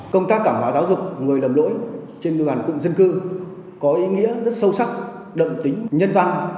công tác cảm hóa giáo dục người lầm lỗi trên địa bàn cụm dân cư có ý nghĩa rất sâu sắc đậm tính nhân văn